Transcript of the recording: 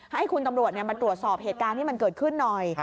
ให้คุณตำรวจมาตรวจสอบเหตุการณ์ที่มันเกิดขึ้นหน่อย